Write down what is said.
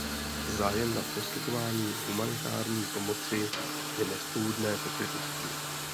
Zájem na poskytování humanitární pomoci je nestoudné pokrytectví.